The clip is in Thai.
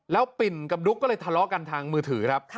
แล้วปิ่นกับดุ๊กก็เลยทะเลาะกันทางมือถือครับ